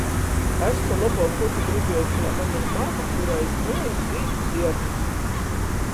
Es to lobuok byutu gribiejuse, lai maņ ir mama, kurai iz nuoss zīd zierņs.